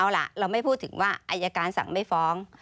เราไม่พูดถึงว่าอายการสังไมฟ้อง